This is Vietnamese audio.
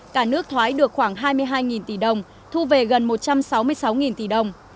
cả nước thoái được khoảng hai mươi hai tỷ đồng thu về gần một trăm sáu mươi sáu tỷ đồng